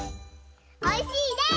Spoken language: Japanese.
おいしいです！